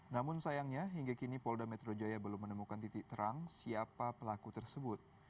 namun sayangnya hingga kini polda metro jaya belum menemukan titik terang siapa pelaku tersebut